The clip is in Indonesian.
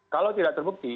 kalau tidak terbukti